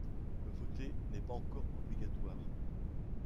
Voter n'est pas encore obligatoire.